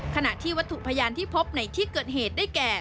ขณะที่วัตถุพยานที่พบในที่เกิดเหตุได้แก่